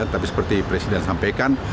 tapi seperti presiden sampaikan